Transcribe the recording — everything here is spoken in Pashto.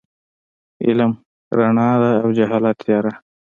علم رڼا ده او جهالت تیاره.